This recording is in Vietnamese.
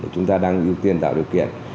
chúng ta đang ưu tiên tạo điều kiện